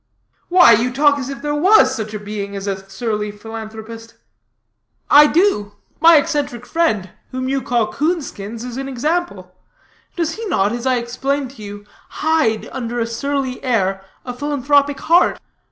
"Why, you talk as if there was such a being as a surly philanthropist." "I do. My eccentric friend, whom you call Coonskins, is an example. Does he not, as I explained to you, hide under a surly air a philanthropic heart?